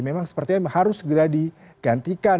memang sepertinya harus segera digantikan